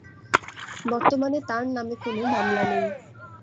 বর্তমানে তাঁর নামে কোনো মামলা নেই।